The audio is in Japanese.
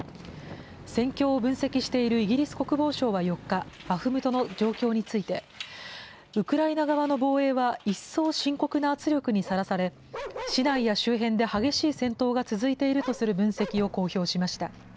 戦況を分析しているイギリス国防省は４日、バフムトの状況について、ウクライナ側の防衛は一層深刻な圧力にさらされ、市内や周辺で激しい戦闘が続いているとする分析を公表しました。